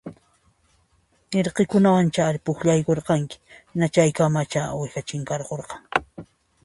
Irqikunawancha pukllayuranki hina chaykamachari uwihaqa chinkakuran